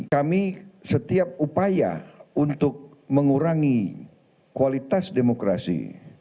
kami setiap upaya untuk mengurangi kualitas demokrasi